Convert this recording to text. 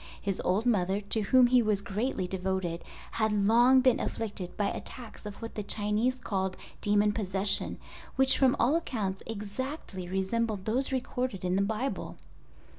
His old mother, to whom he was greatly devoted, had long been afflicted by attacks of what the Chinese called demon possession—which from all accounts exactly resembled those recorded in the Bible.